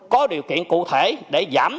có điều kiện cụ thể để giảm